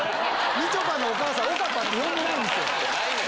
みちょぱのお母さんおかぱって呼んでないんですよ。